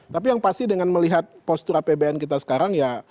tapi yang pasti dengan melihat postur apbn kita sekarang ya